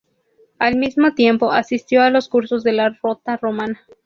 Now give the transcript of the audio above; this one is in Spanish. Al mismo tiempo, asistió a los cursos de la Rota Romana.